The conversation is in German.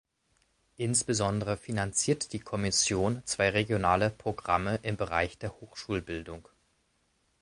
Insbesondere finanziert die Kommission zwei regionale Programme im Bereich der Hochschulbildung.